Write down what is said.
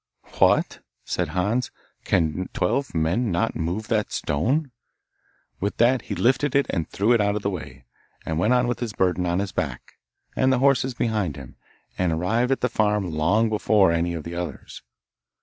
'What!' said Hans, 'can twelve men not move that stone?' With that he lifted it and threw it out of hte way, and went on with his burden on his back, and the horses behind him, and arrived at the farm long before any of the others.